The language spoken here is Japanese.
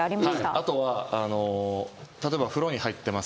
あとは例えば風呂に入ってます。